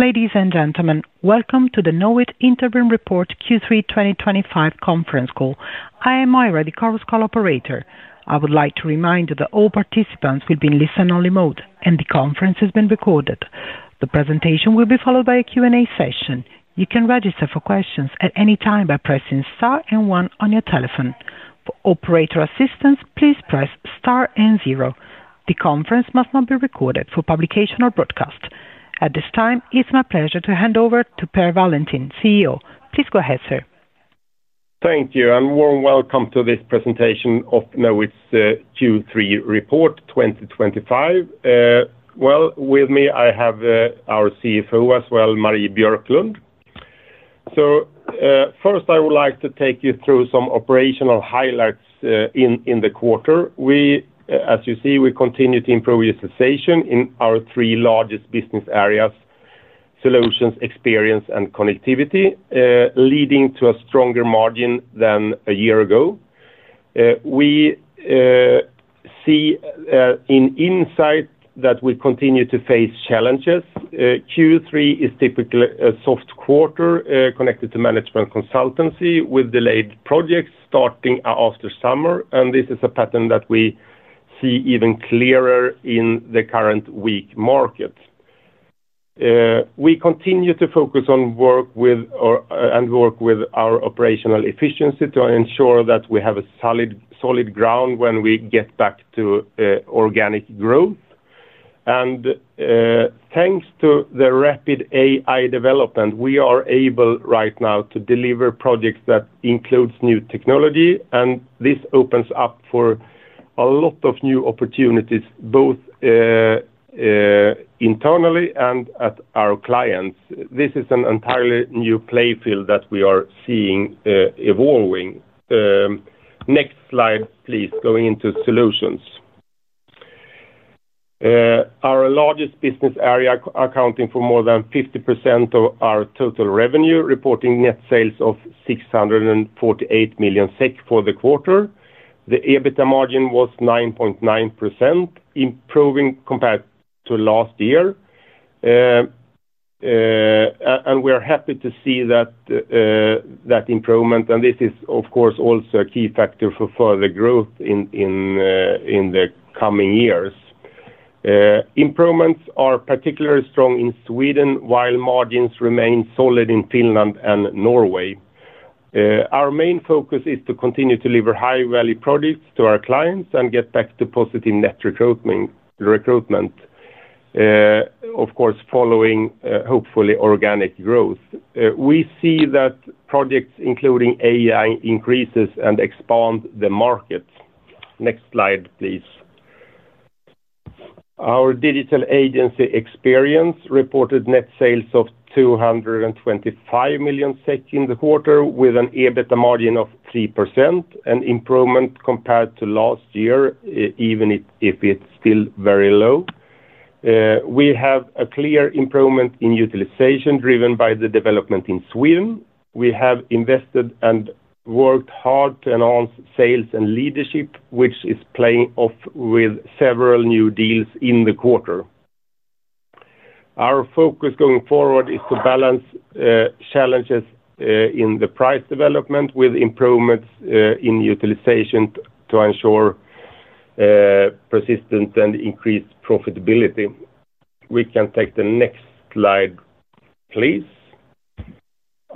Ladies and gentlemen, welcome to the Knowit interim report Q3 2025 conference call. I am Maja, the call operator. I would like to remind you that all participants will be in listen-only mode, and the conference is being recorded. The presentation will be followed by a Q&A session. You can register for questions at any time by pressing star and one on your telephone. For operator assistance, please press star and zero. The conference must not be recorded for publication or broadcast. At this time, it is my pleasure to hand over to Per Wallentin, CEO. Please go ahead, sir. Thank you, and warm welcome to this presentation of Knowit's Q3 report 2025. With me, I have our CFO as well, Marie Björklund. First, I would like to take you through some operational highlights in the quarter. We, as you see, continue to improve utilization in our three largest business areas: Solutions, Experience, and Connectivity, leading to a stronger margin than a year ago. We see in Insight that we continue to face challenges. Q3 is typically a soft quarter connected to management consultancy with delayed projects starting after summer, and this is a pattern that we see even clearer in the current weak market. We continue to focus on work with our operational efficiency to ensure that we have a solid ground when we get back to organic growth. Thanks to the rapid AI development, we are able right now to deliver projects that include new technology, and this opens up for a lot of new opportunities, both internally and at our clients. This is an entirely new play field that we are seeing evolving. Next slide, please, going into Solutions. Our largest business area, accounting for more than 50% of our total revenue, reporting net sales of 648 million SEK for the quarter. The EBITDA margin was 9.9%, improving compared to last year. We are happy to see that improvement, and this is, of course, also a key factor for further growth in the coming years. Improvements are particularly strong in Sweden, while margins remain solid in Finland and Norway. Our main focus is to continue to deliver high-value products to our clients and get back to positive net recruitment, of course, following hopefully organic growth. We see that projects including AI increase and expand the market. Next slide, please. Our digital agency Experience reported net sales of 225 million SEK in the quarter with an EBITDA margin of 3%, an improvement compared to last year, even if it's still very low. We have a clear improvement in utilization driven by the development in Sweden. We have invested and worked hard to enhance sales and leadership, which is paying off with several new deals in the quarter. Our focus going forward is to balance challenges in the price development with improvements in utilization to ensure persistence and increased profitability. We can take the next slide, please.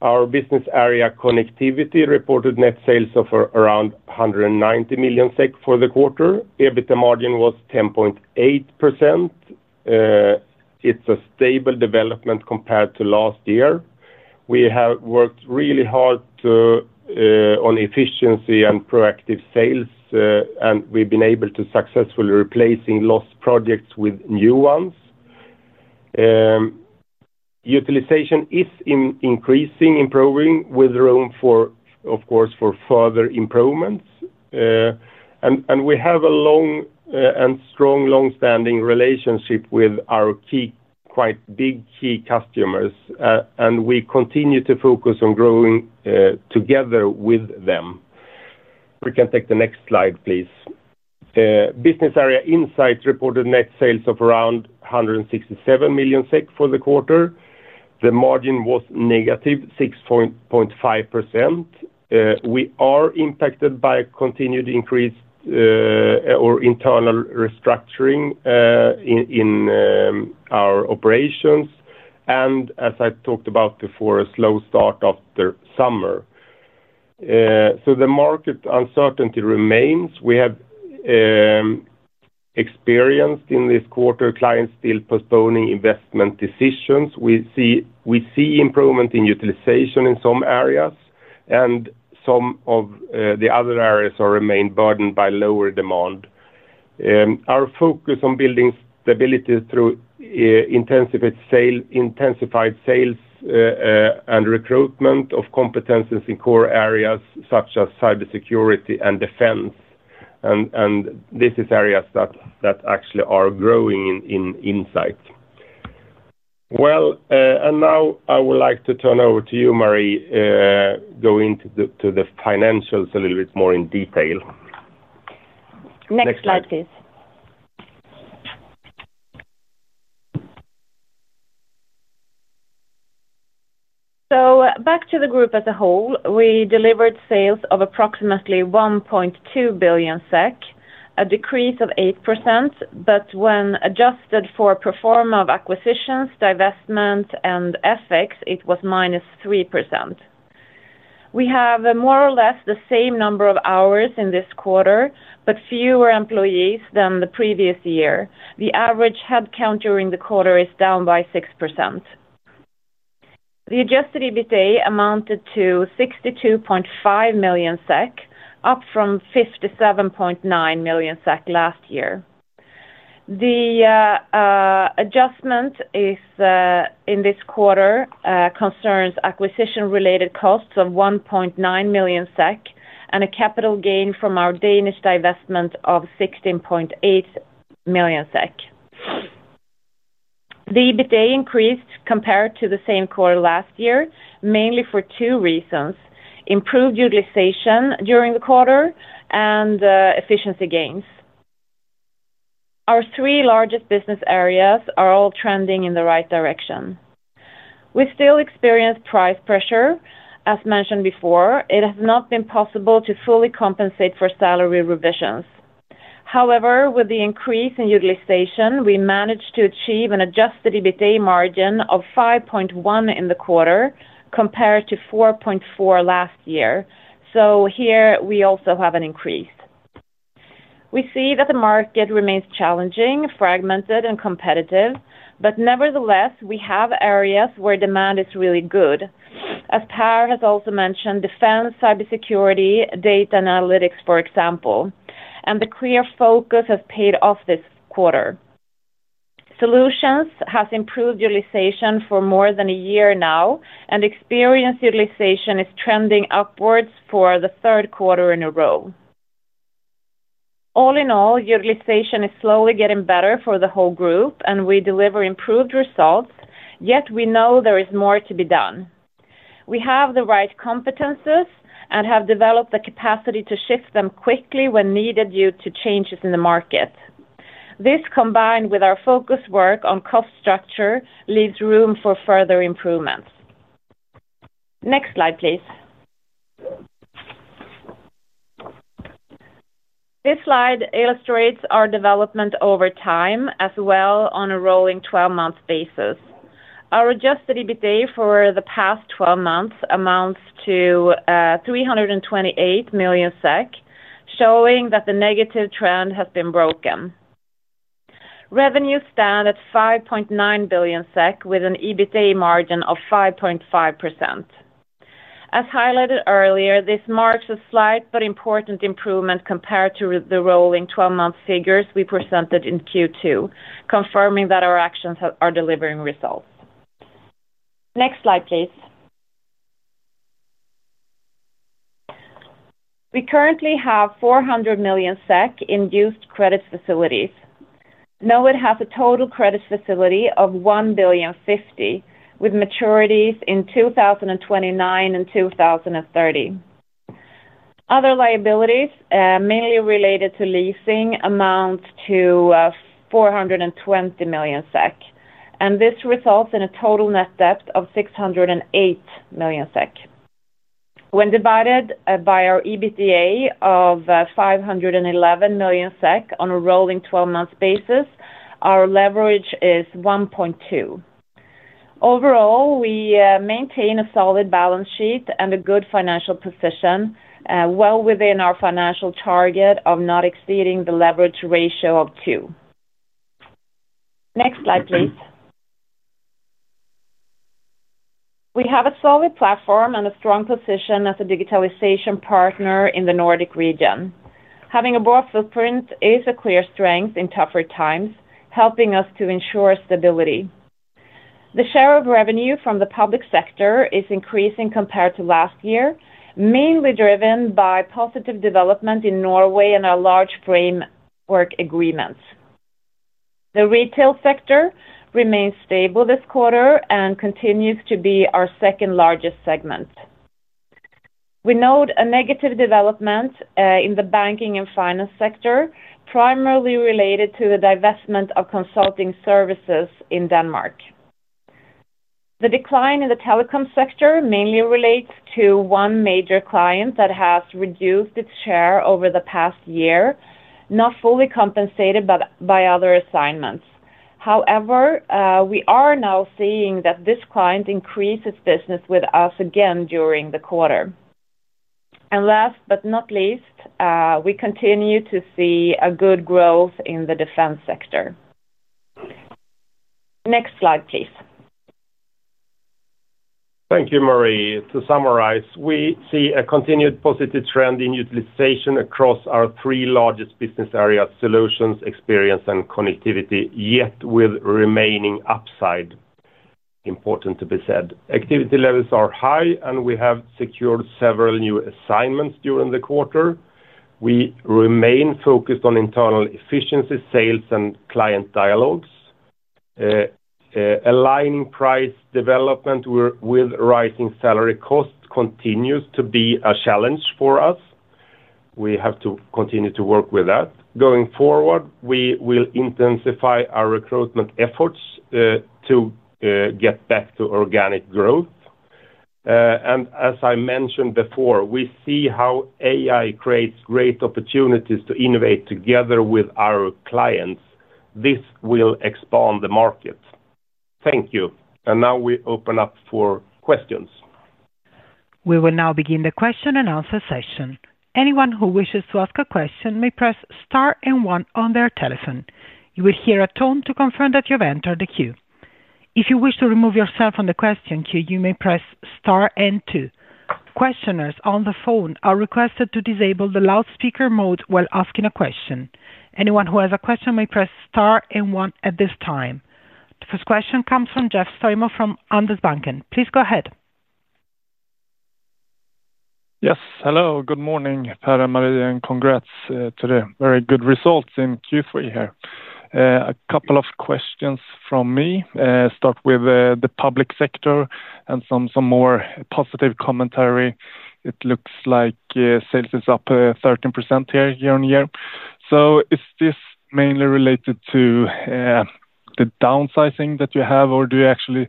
Our business area Connectivity reported net sales of around 190 million SEK for the quarter. EBITDA margin was 10.8%. It's a stable development compared to last year. We have worked really hard on efficiency and proactive sales, and we've been able to successfully replace lost projects with new ones. Utilization is increasing, improving, with room for, of course, further improvements. We have a long and strong long-standing relationship with our key, quite big key customers, and we continue to focus on growing together with them. We can take the next slide, please. Business area Insight reported net sales of approximately 167 million SEK for the quarter. The margin was -6.5%. We are impacted by a continued increase or internal restructuring in our operations, as I talked about before, a slow start after summer. The market uncertainty remains. We have experienced in this quarter clients still postponing investment decisions. We see improvement in utilization in some areas, and some of the other areas remain burdened by lower demand. Our focus on building stability through intensified sales and recruitment of competencies in core areas such as cybersecurity and defense, and this is areas that actually are growing in Insight. I would like to turn over to you, Marie, going to the financials a little bit more in detail. Next slide, please. Back to the group as a whole, we delivered sales of approximately 1.2 billion SEK, a decrease of 8%, but when adjusted for pro forma of acquisitions, divestments, and FX, it was -3%. We have more or less the same number of hours in this quarter, but fewer employees than the previous year. The average headcount during the quarter is down by 6%. The adjusted EBITDA amounted to 62.5 million SEK, up from 57.9 million SEK last year. The adjustment in this quarter concerns acquisition-related costs of 1.9 million SEK and a capital gain from our Danish divestment of 16.8 million SEK. The EBITDA increased compared to the same quarter last year, mainly for two reasons: improved utilization during the quarter and efficiency gains. Our three largest business areas are all trending in the right direction. We still experience price pressure. As mentioned before, it has not been possible to fully compensate for salary revisions. However, with the increase in utilization, we managed to achieve an adjusted EBITDA margin of 5.1% in the quarter compared to 4.4% last year. Here we also have an increase. We see that the market remains challenging, fragmented, and competitive, nevertheless, we have areas where demand is really good. As Per Wallentin has also mentioned, defense, cybersecurity, data analytics, for example, and the clear focus has paid off this quarter. Solutions has improved utilization for more than a year now, and Experience utilization is trending upwards for the third quarter in a row. All in all, utilization is slowly getting better for the whole group, and we deliver improved results, yet we know there is more to be done. We have the right competencies and have developed the capacity to shift them quickly when needed due to changes in the market. This, combined with our focused work on cost structure, leaves room for further improvements. Next slide, please. This slide illustrates our development over time as well on a rolling 12-month basis. Our adjusted EBITDA for the past 12 months amounts to 328 million SEK, showing that the negative trend has been broken. Revenues stand at 5.9 billion SEK with an EBITDA margin of 5.5%. As highlighted earlier, this marks a slight but important improvement compared to the rolling 12-month figures we presented in Q2, confirming that our actions are delivering results. Next slide, please. We currently have 400 million SEK in used credit facilities. Knowit has a total credit facility of 1,050,000,000, with maturities in 2029 and 2030. Other liabilities, mainly related to leasing, amount to 420 million SEK, and this results in a total net debt of 608 million SEK. When divided by our EBITDA of 511 million SEK on a rolling 12-month basis, our leverage is 1.2. Overall, we maintain a solid balance sheet and a good financial position, well within our financial target of not exceeding the leverage ratio of 2. Next slide, please. We have a solid platform and a strong position as a digitalization partner in the Nordic region. Having a broad footprint is a clear strength in tougher times, helping us to ensure stability. The share of revenue from the public sector is increasing compared to last year, mainly driven by positive development in Norway and our large framework agreements. The retail sector remains stable this quarter and continues to be our second largest segment. We note a negative development in the banking and finance sector, primarily related to the divestment of consulting services in Denmark. The decline in the telecom sector mainly relates to one major client that has reduced its share over the past year, not fully compensated by other assignments. However, we are now seeing that this client increased its business with us again during the quarter. Last but not least, we continue to see good growth in the defense sector. Next slide, please. Thank you, Marie. To summarize, we see a continued positive trend in utilization across our three largest business areas: Solutions, Experience, and Connectivity, yet with remaining upside. It is important to be said, activity levels are high, and we have secured several new assignments during the quarter. We remain focused on internal efficiency, sales, and client dialogues. Aligning price development with rising salary costs continues to be a challenge for us. We have to continue to work with that. Going forward, we will intensify our recruitment efforts to get back to organic growth. As I mentioned before, we see how AI creates great opportunities to innovate together with our clients. This will expand the market. Thank you. Now we open up for questions. We will now begin the question and answer session. Anyone who wishes to ask a question may press star and one on their telephone. You will hear a tone to confirm that you have entered the queue. If you wish to remove yourself from the question queue, you may press star and two. Questioners on the phone are requested to disable the loudspeaker mode while asking a question. Anyone who has a question may press star and one at this time. The first question comes from [Jeff Stoimo] from [Handelsbanken]. Please go ahead. Yes. Hello. Good morning, Per and Marie, and congrats to the very good results in Q3 here. A couple of questions from me. I start with the public sector and some more positive commentary. It looks like sales is up 13% year-on-year. Is this mainly related to the downsizing that you have, or do you actually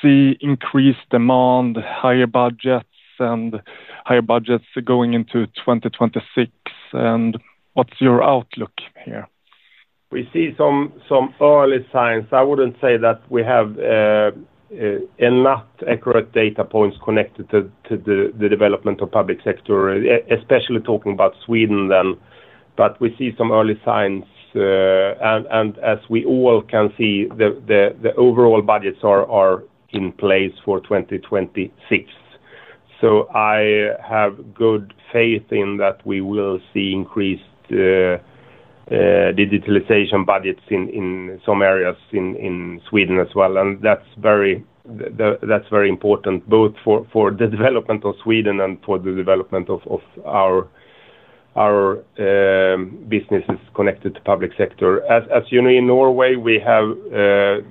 see increased demand, higher budgets, and higher budgets going into 2026? What's your outlook here? We see some early signs. I wouldn't say that we have enough accurate data points connected to the development of the public sector, especially talking about Sweden. We see some early signs. As we all can see, the overall budgets are in place for 2026. I have good faith that we will see increased digitalization budgets in some areas in Sweden as well. That's very important, both for the development of Sweden and for the development of our businesses connected to the public sector. As you know, in Norway, we have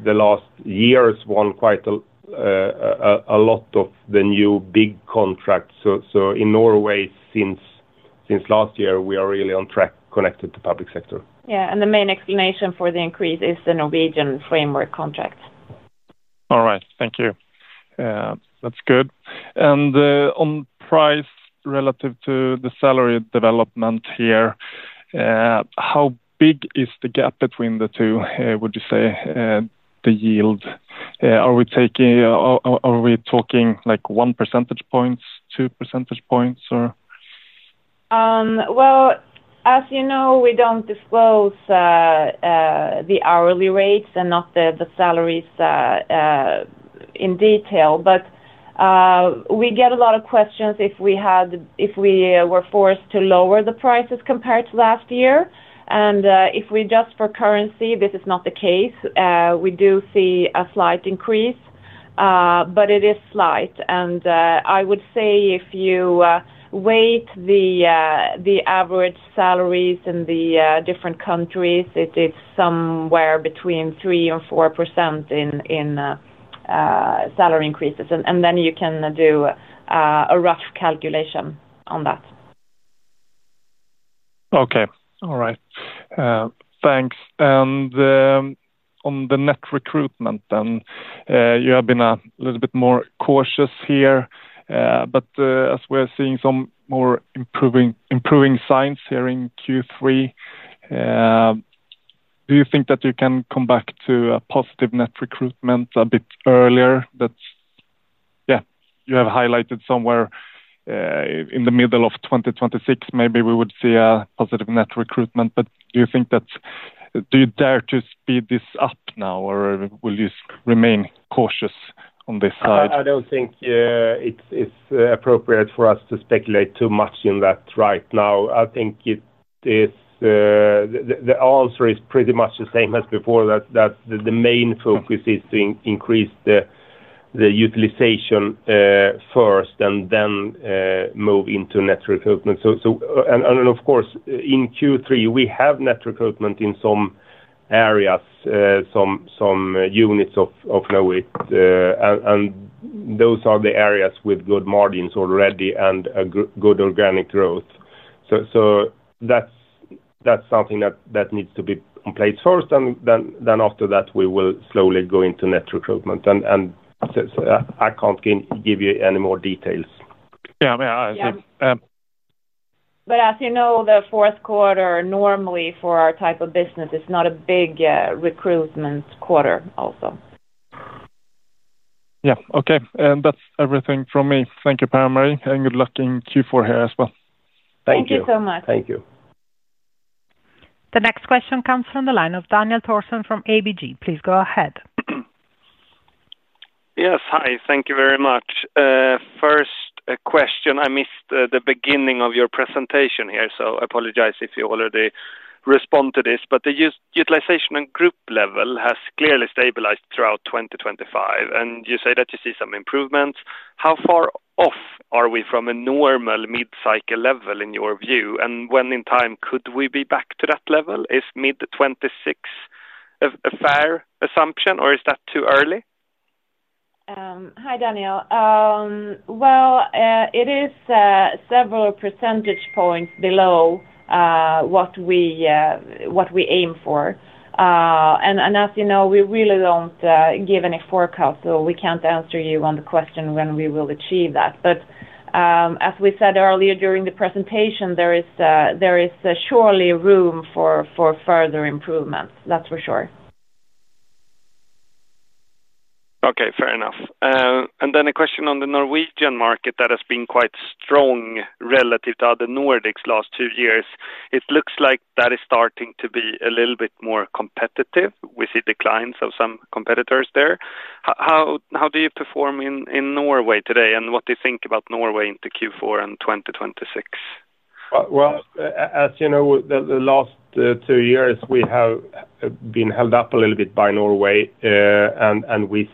the last years won quite a lot of the new big contracts. In Norway, since last year, we are really on track connected to the public sector. The main explanation for the increase is the Norwegian framework contract. All right. Thank you. That's good. On price relative to the salary development here, how big is the gap between the two, would you say, the yield? Are we talking like 1 percentage point, 2 percentage points, or? As you know, we don't disclose the hourly rates and not the salaries in detail. We get a lot of questions if we were forced to lower the prices compared to last year. If we adjust for currency, this is not the case. We do see a slight increase, but it is slight. I would say if you weigh the average salaries in the different countries, it is somewhere between 3% and 4% in salary increases. You can do a rough calculation on that. Okay. All right. Thanks. On the net recruitment then, you have been a little bit more cautious here. As we are seeing some more improving signs here in Q3, do you think that you can come back to a positive net recruitment a bit earlier? You have highlighted somewhere in the middle of 2026, maybe we would see a positive net recruitment. Do you think that you dare to speed this up now, or will you remain cautious on this side? I don't think it's appropriate for us to speculate too much in that right now. I think the answer is pretty much the same as before, that the main focus is to increase the utilization first and then move into net recruitment. Of course, in Q3, we have net recruitment in some areas, some units of Knowit, and those are the areas with good margins already and good organic growth. That's something that needs to be in place first, and after that, we will slowly go into net recruitment. I can't give you any more details. Yeah, yeah. As you know, the fourth quarter normally for our type of business is not a big recruitment quarter also. Okay. That's everything from me. Thank you, Per and Marie. Good luck in Q4 here as well. Thank you. Thank you so much. Thank you. The next question comes from the line of Daniel Thorsson from ABG. Please go ahead. Yes. Hi. Thank you very much. First question, I missed the beginning of your presentation here, so I apologize if you already respond to this. The utilization and group level has clearly stabilized throughout 2025, and you say that you see some improvements. How far off are we from a normal mid-cycle level in your view, and when in time could we be back to that level? Is mid-2026 a fair assumption, or is that too early? Hi, Daniel. It is several percentage points below what we aim for. As you know, we really don't give any forecast, so we can't answer you on the question when we will achieve that. As we said earlier during the presentation, there is surely room for further improvements. That's for sure. Okay. Fair enough. A question on the Norwegian market that has been quite strong relative to other Nordics the last two years. It looks like that is starting to be a little bit more competitive. We see declines of some competitors there. How do you perform in Norway today, and what do you think about Norway into Q4 and 2026? As you know, the last two years, we have been held up a little bit by Norway, and we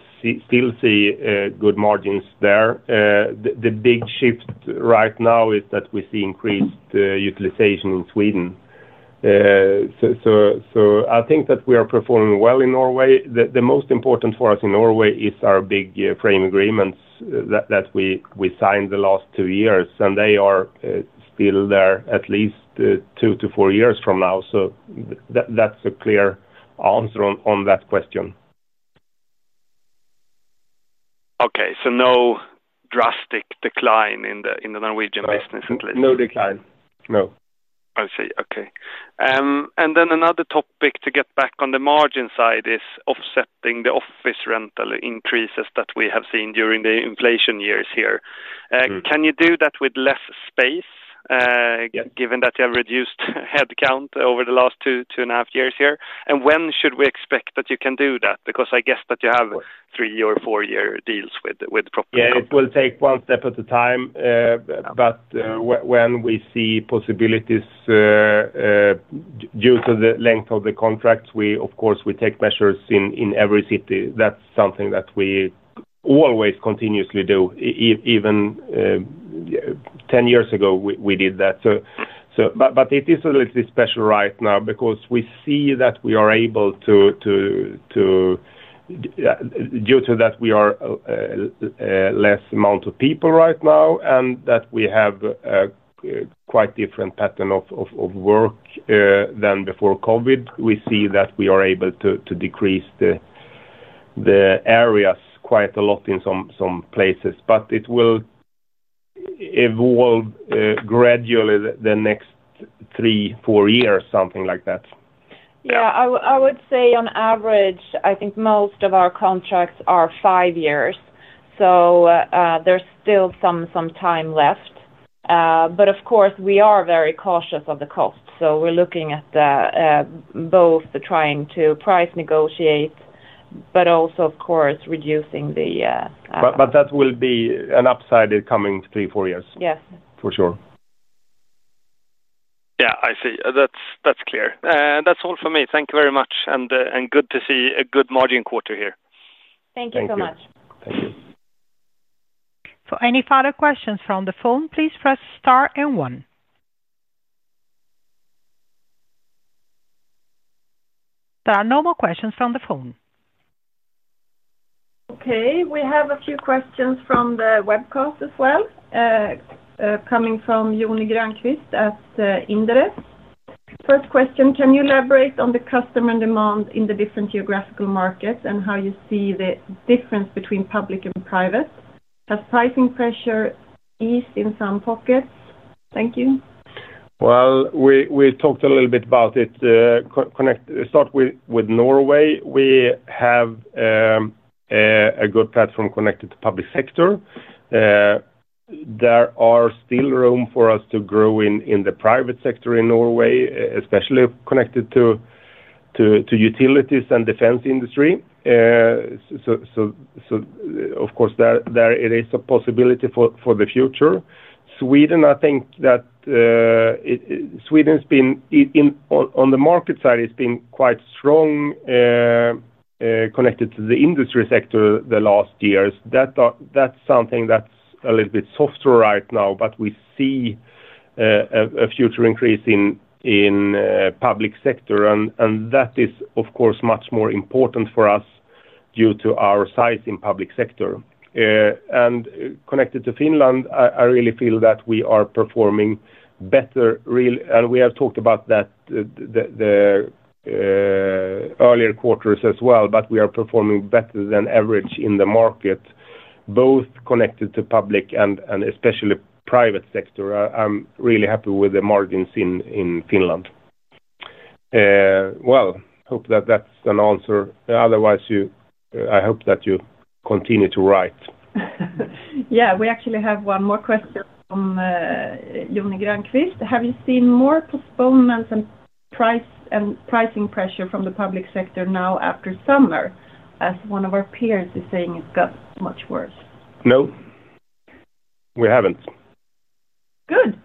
still see good margins there. The big shift right now is that we see increased utilization in Sweden. I think that we are performing well in Norway. The most important for us in Norway is our big framework agreements that we signed the last two years, and they are still there at least two to four years from now. That's a clear answer on that question. Okay. No drastic decline in the Norwegian business, at least. No decline. No. I see. Okay. Another topic to get back on the margin side is offsetting the office rental increases that we have seen during the inflation years here. Can you do that with less space, given that you have reduced headcount over the last two and a half years here? When should we expect that you can do that? I guess that you have three-year or four-year deals with the property. Yeah. It will take one step at a time. When we see possibilities due to the length of the contracts, we, of course, take measures in every city. That's something that we always continuously do. Even 10 years ago, we did that. It is a little bit special right now because we see that we are able to, due to that, we are a less amount of people right now and that we have a quite different pattern of work than before COVID. We see that we are able to decrease the areas quite a lot in some places. It will evolve gradually the next three, four years, something like that. Yeah, I would say on average, I think most of our contracts are five years. There's still some time left. Of course, we are very cautious of the cost. We're looking at both trying to price negotiate, and also, of course, reducing the. That will be an upside in the coming three, four years. Yes. For sure. I see. That's clear. That's all for me. Thank you very much. Good to see a good margin quarter here. Thank you so much. Thank you. For any further questions from the phone, please press star and one. There are no more questions from the phone. Okay. We have a few questions from the webcast as well, coming from Joni Grönqvist at Inderes. First question, can you elaborate on the customer demand in the different geographical markets and how you see the difference between public and private? Has pricing pressure eased in some pockets? Thank you. We talked a little bit about it. Start with Norway. We have a good platform connected to the public sector. There is still room for us to grow in the private sector in Norway, especially connected to utilities and defense industry. Of course, there is a possibility for the future. Sweden, I think that Sweden's been on the market side, it's been quite strong connected to the industry sector the last years. That's something that's a little bit softer right now, but we see a future increase in public sector. That is, of course, much more important for us due to our size in the public sector. Connected to Finland, I really feel that we are performing better, really. We have talked about that the earlier quarters as well, but we are performing better than average in the market, both connected to the public and especially the private sector. I'm really happy with the margins in Finland. I hope that that's an answer. Otherwise, I hope that you continue to write. Yeah, we actually have one more question from Joni Grönqvist. Have you seen more postponements and pricing pressure from the public sector now after summer as one of our peers is saying it's got much worse? No, we haven't. Good.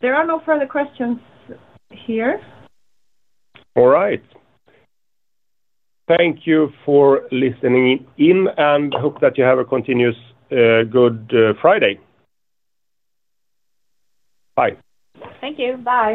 There are no further questions here. All right. Thank you for listening in, and I hope that you have a continuous good Friday. Bye. Thank you. Bye.